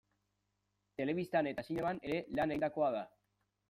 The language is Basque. Telebistan eta zineman ere lan egindakoa da.